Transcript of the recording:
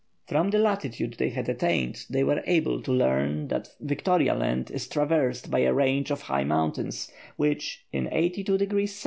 From the latitude they had attained they were able to learn that Victoria Land is traversed by a range of high mountains, which, in 82° S.